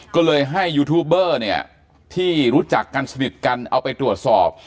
ก็เลยให้ยูทูบเบอร์เนี่ยที่รู้จักกันสนิทกันเอาไปตรวจสอบ